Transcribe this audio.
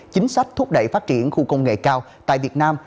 chính sách thúc đẩy phát triển khu công nghệ cao tại việt nam